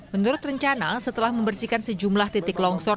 menurut rencana setelah membersihkan sejumlah titik longsor